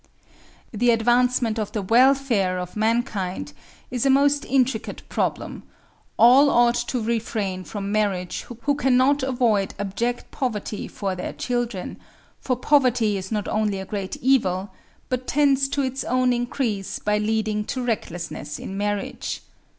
The advancement of the welfare of mankind is a most intricate problem: all ought to refrain from marriage who cannot avoid abject poverty for their children; for poverty is not only a great evil, but tends to its own increase by leading to recklessness in marriage.